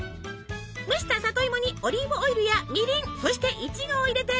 蒸した里芋にオリーブオイルやみりんそしてイチゴを入れてミキサーに。